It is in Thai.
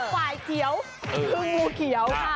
ฝ่ายเขียวคืองูเขียวค่ะ